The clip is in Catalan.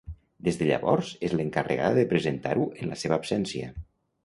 Des de llavors és l'encarregada de presentar-ho en la seva absència.